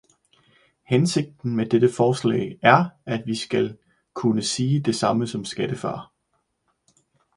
Hensigten med dette forslag er, at vi skal kunne sige det samme om skattefar.